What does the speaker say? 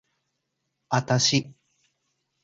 あたし